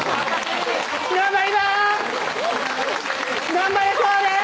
・頑張れそうです！